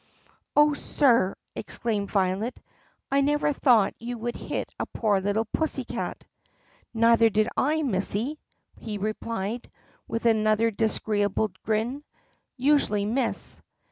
"Oh, sir," exclaimed Violet, "I never thought you would hit a poor litttle pussycat." "Neither did I, missy," he replied, with another disagree able grin; "I usually miss.